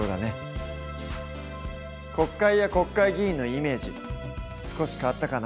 国会や国会議員のイメージ少し変わったかな？